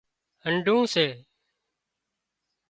هنڍُون سي